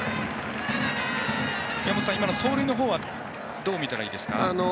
宮本さん、今の走塁はどう見たらいいですか？